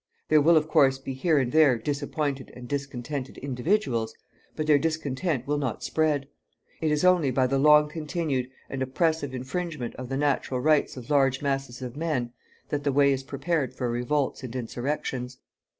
There will, of course, be here and there disappointed and discontented individuals, but their discontent will not spread. It is only by the long continued and oppressive infringement of the natural rights of large masses of men that the way is prepared for revolts and insurrections.